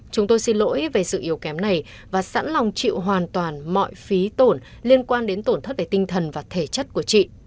chúng tôi xin lỗi về sự yếu kém này và sẵn lòng chịu hoàn toàn mọi phí tổn liên quan đến tổn thất về tinh thần và thể chất của chị